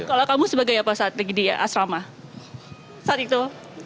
kalau kamu sebagai apa saat lagi di asrama saat itu